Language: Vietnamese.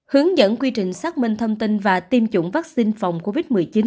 hướng dẫn quy trình xác minh thông tin và tiêm chủng vaccine phòng covid một mươi chín